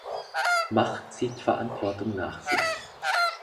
Macht zieht Verantwortung nach sich.